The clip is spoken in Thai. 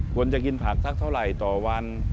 ควรจะกินผักสักเท่าไหร่ต่อวัน